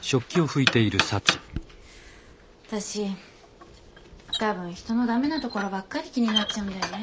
あたしたぶん人の駄目なところばっかり気になっちゃうんだよね。